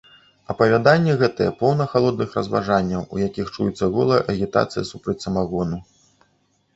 Апавяданне гэтае поўна халодных разважанняў, у якіх чуецца голая агітацыя супраць самагону.